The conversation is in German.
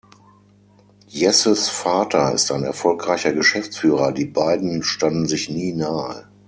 Jesses Vater ist ein erfolgreicher Geschäftsführer, die beiden standen sich nie nahe.